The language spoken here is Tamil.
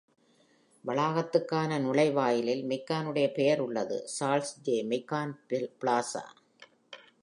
வளாகத்துக்கான நுழைவாயிலில் மெக்கானுடைய பெயர் உள்ளது, சார்லஸ் ஜே. McCann Plaza.